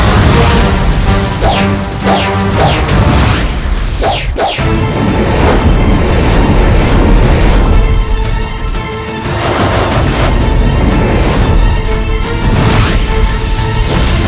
tidak ada cara lain ger prabu iwalti ger prabu